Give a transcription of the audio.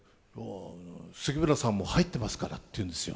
「杉村さんも入ってますから」って言うんですよ。